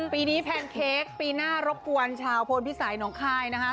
ปีนี้แพนเค้กปีหน้ารบกวนชาวพลพิสัยน้องคายนะคะ